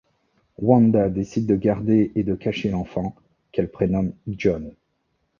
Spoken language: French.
Wanda décide de garder et de cacher l'enfant, qu'elle prénomme John.